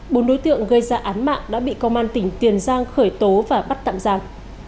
bốn đối tượng gây ra án mạng đã bị công an tỉnh tiền giang khởi tố và bắt tạm giam